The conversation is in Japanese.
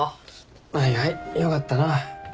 はいはいよかったな。